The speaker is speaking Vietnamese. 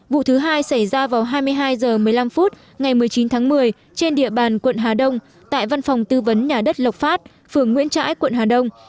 vụ thứ hai xảy ra vào hai mươi hai h một mươi năm phút ngày một mươi chín tháng một mươi trên địa bàn quận hà đông tại văn phòng tư vấn nhà đất lộc phát phường nguyễn trãi quận hà đông